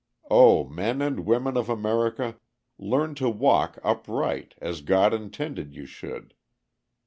O men and women of America, learn to walk upright, as God intended you should.